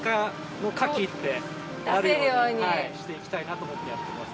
していきたいなと思ってやってます。